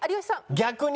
逆に。